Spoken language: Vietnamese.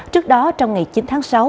trước đó trong ngày chín tháng sáu